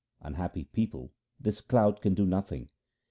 unhappy people, this cloud can do nothing.